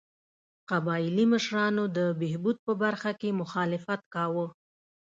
قبایلي مشرانو د بهبود په برخه کې مخالفت کاوه.